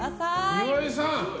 岩井さん！